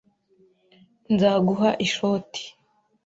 Nzaguha ishoti.